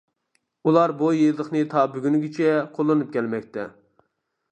ئۇلار بۇ يېزىقنى تا بۈگۈنگىچە قوللىنىپ كەلمەكتە.